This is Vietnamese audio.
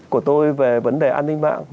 của tôi về vấn đề an ninh mạng